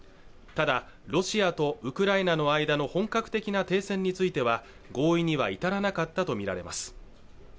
ただロシアとウクライナの間の本格的な停戦については合意には至らなかったと見られます